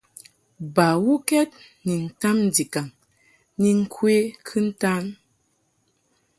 Bawukɛd ni ntam ndikaŋ ni ŋkwe kɨntan.